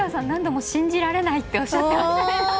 何度も信じられないっておっしゃって。